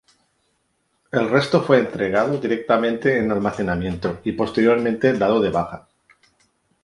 El resto fue entregado directamente en almacenamiento y posteriormente dado de baja.